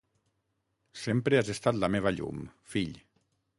Sempre has estat la meva llum, fill.